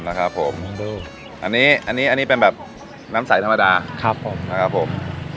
นะครับผมอันนี้เป็นน้ำใสนามณครับผม